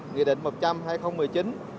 nghị định một trăm linh hai nghìn một mươi chín